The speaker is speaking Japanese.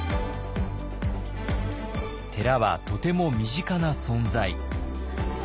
寺はとても身近な存在。